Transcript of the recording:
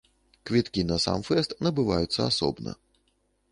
Квіткі на сам фэст набываюцца асобна.